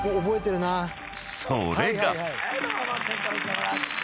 ［それが］